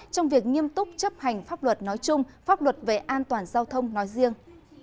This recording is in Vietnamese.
trong việc nghiêm túc chấp hành pháp luật nói chung pháp luật về an toàn giao thông nói riêng